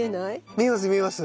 見えます見えます。